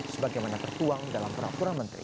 sebagaimana tertuang dalam peraturan menteri